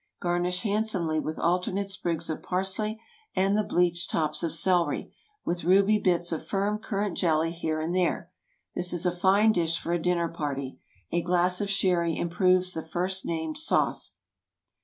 Garnish handsomely with alternate sprigs of parsley and the bleached tops of celery, with ruby bits of firm currant jelly here and there. This is a fine dish for a dinner party. A glass of Sherry improves the first named sauce.